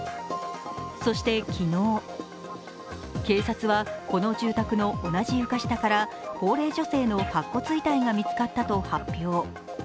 そして昨日、警察はこの住宅の同じ床下から高齢女性の白骨遺体が見つかったと発表。